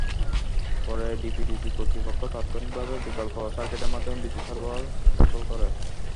পরে ডিপিডিসি কর্তৃপক্ষ তাৎক্ষণিকভাবে বিকল্প সার্কিটের মাধ্যমে বিদ্যুৎ সরবরাহ সচল করে।